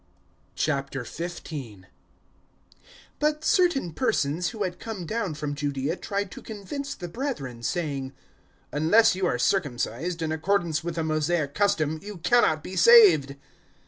015:001 But certain persons who had come down from Judaea tried to convince the brethren, saying, "Unless you are circumcised in accordance with the Mosaic custom, you cannot be saved."